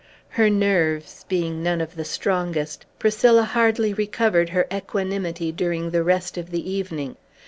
Her nerves being none of the strongest, Priscilla hardly recovered her equanimity during the rest of the evening.